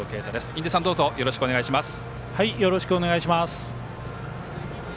印出さん、よろしくお願いします。